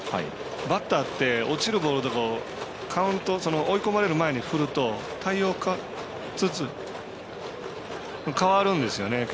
バッターって落ちるボールとかカウントを追い込まれる前に振ると対応、変わるんですよね。